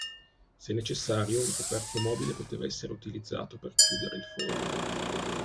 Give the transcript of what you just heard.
Se necessario, un coperchio mobile poteva essere utilizzato per chiudere il foro.